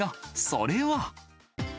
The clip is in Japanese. それは。